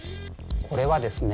これはですね